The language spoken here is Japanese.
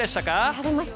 食べました。